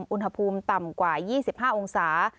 อุณหภูมิต่ำกว่า๒๕องศา